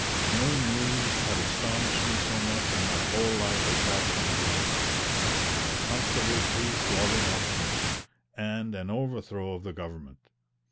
No news had astonished me so much in my whole life as that from Vienna. My comfortable, peace loving Austrians, and an overthrow of the government!